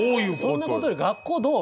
「そんなことより学校どう？」